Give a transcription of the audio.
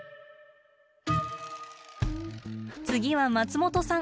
次は松本さん。